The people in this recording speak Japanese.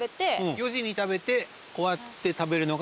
４時に食べて終わって食べるのが？